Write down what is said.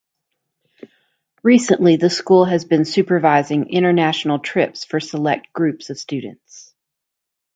Recently, the school has been supervising international trips for select groups of students.